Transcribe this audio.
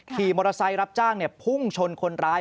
ขี่มอเตอร์ไซค์รับจ้างพุ่งชนคนร้าย